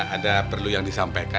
ada perlu yang disampaikan